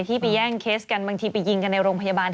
ที่ไปแย่งเคสกันบางทีไปยิงกันในโรงพยาบาล